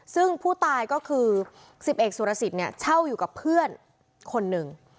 ซึ่งผู้ตายก็คือ๑๐เอกสุรสิทธิ์เนี่ยเช่าอยู่กับเพื่อนคนหนึ่ง